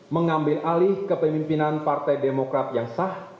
mengambil alih kepemimpinan partai demokrat yang sah